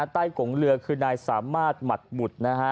กงเรือคือนายสามารถหมัดบุตรนะฮะ